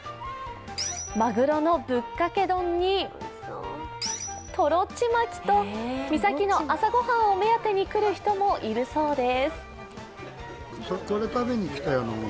まぐろのぶっかけ丼にトロちまきと三崎の朝ご飯を目当てに来る人もいるそうです。